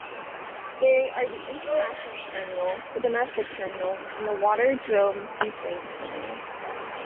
They are the International Terminal, the Domestic Terminal and the waterdrome Seaplane Terminal.